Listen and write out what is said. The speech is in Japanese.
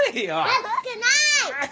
暑くない。